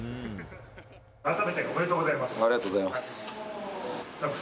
改めておめでとうございます。